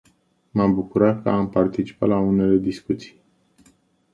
M-am bucurat că am participat la unele discuții.